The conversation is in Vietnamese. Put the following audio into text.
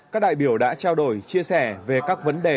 các đại biểu đã trao đổi chia sẻ về các vấn đề